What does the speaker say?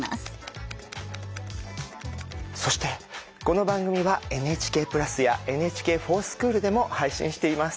そしてこの番組はＮＨＫプラスやＮＨＫｆｏｒＳｃｈｏｏｌでも配信しています。